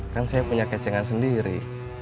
kan saya punya kecengan sendiri